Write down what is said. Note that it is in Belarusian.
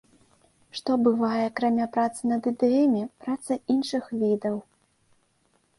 Што бывае, акрамя працы над ідэямі, праца іншых відаў.